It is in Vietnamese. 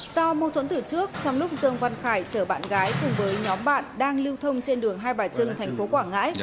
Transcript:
do mâu thuẫn từ trước trong lúc dương văn khải chở bạn gái cùng với nhóm bạn đang lưu thông trên đường hai bà trưng thành phố quảng ngãi